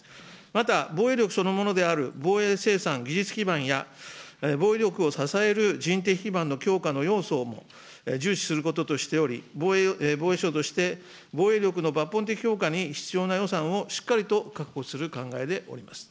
また、防衛力そのものである防衛生産技術基盤や防衛力を支える人的基盤の強化の要素も重視することとしており、防衛省として、防衛力の抜本的強化に必要な予算をしっかりと確保する考えでおります。